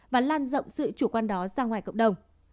và lan rộng sự chủ quan đó ra ngoài cộng đồng